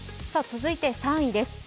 続いて３位です。